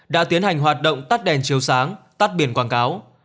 đã tiến hành hoạt động tắt đèn chiếu sáng tắt biển quảng cáo